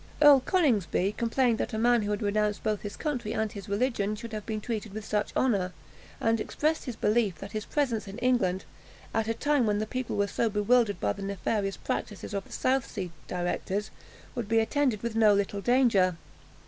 Earl Coningsby complained that a man who had renounced both his country and his religion, should have been treated with such honour, and expressed his belief that his presence in England, at a time when the people were so bewildered by the nefarious practices of the South Sea directors, would be attended with no little danger.